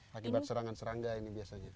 akibat serangan serangga ini biasanya